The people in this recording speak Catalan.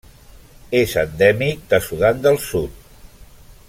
És endèmic del Sudan del Sud.